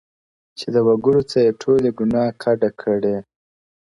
چي د وگړو څه يې ټولي گناه كډه كړې،